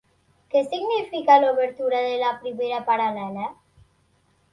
Què significa l'obertura de la primera paral·lela?